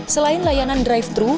selain layanan drive thru